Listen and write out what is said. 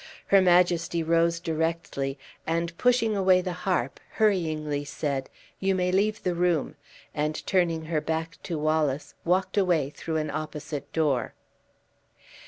Her majesty rose directly, and pushing away the harp, hurryingly said: "You may leave the room;" and turning her back to Wallace, walked away through an opposite door.